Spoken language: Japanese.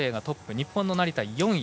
日本の成田、４位。